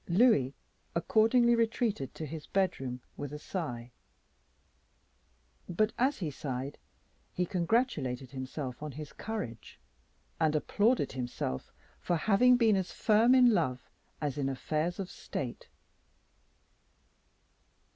Louis accordingly retreated to his bedroom with a sigh; but, as he sighed, he congratulated himself on his courage, and applauded himself for having been as firm in love as in affairs of state.